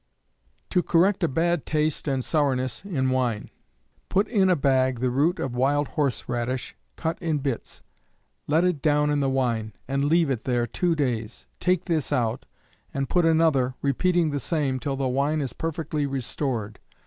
To correct a bad Taste and sourness in Wine. Put in a bag the root of wild horse radish cut in bits. Let it down in the wine, and leave it there two days; take this out, and put another, repeating the same till the wine is perfectly restored.